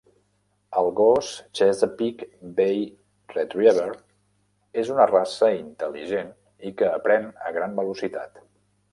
El gos Chesapeake Bay Retriever és una raça intel·ligent i que aprèn a gran velocitat.